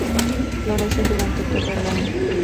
Florece durante todo el año.